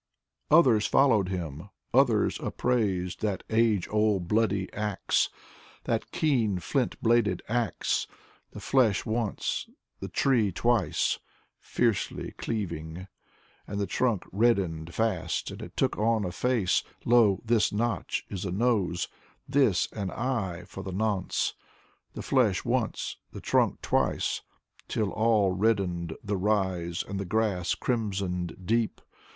Others followed him, others upraised That age old bloody ax. That keen flint bladed ax: The flesh once. The tree twice Fiercely cleaving. And the trunk reddened fast And it took on a face. Lo, — this notch — ^is a nose, This — an eye, for the nonce. The flesh once. The trunk twice — Till all reddened the rise And the grass crimsoned deep.